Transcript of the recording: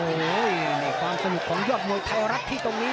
โอ้โหในความสนุกของยอดมวยไทยรัฐที่ตรงนี้